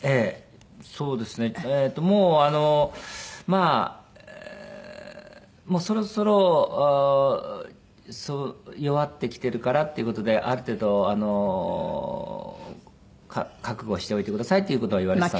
まあそろそろ弱ってきてるからっていう事である程度覚悟はしておいてくださいっていう事は言われてた。